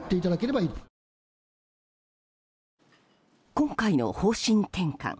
今回の方針転換。